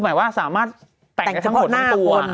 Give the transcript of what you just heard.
หมายว่าสามารถแต่งข้างหัวทั้งตัว